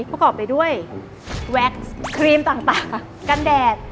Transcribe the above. ประกอบไปด้วยแว็กซ์ครีมต่างกันแดด